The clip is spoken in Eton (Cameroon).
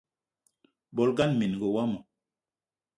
Bolo ngana minenga womo